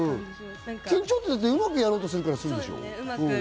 緊張ってうまくやろうとするからなるんでしょ？